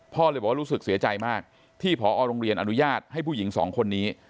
เลยบอกว่ารู้สึกเสียใจมากที่พอโรงเรียนอนุญาตให้ผู้หญิงสองคนนี้